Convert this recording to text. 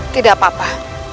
tidak ada apa apa